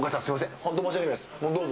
本当、申し訳ないです、どうぞ。